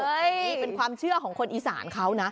นี่เป็นความเชื่อของคนอีสานเขานะ